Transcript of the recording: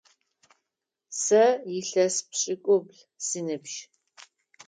Сэ илъэс пшӏыкӏубл сыныбжь.